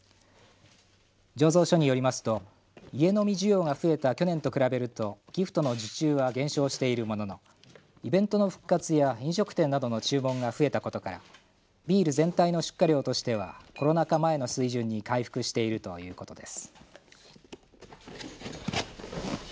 醸造所によりますと家飲み需要が増えた去年と比べるとギフトの受注は減少しているもののイベントの復活や飲食店などの注文が増えたことからビール全体の出荷量としてはコロナ禍前の水準に回復しているということです。